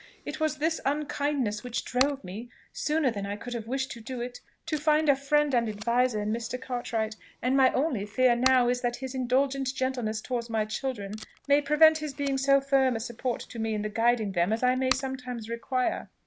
It was this unkindness which drove me, sooner than I could have wished to do it, to find a friend and adviser in Mr. Cartwright; and my only fear now is, that his indulgent gentleness towards my children may prevent his being so firm a support to me in the guiding them as I may sometimes require.